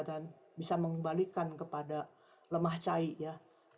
dan bisa mengembalikan kepada lemah cahaya ya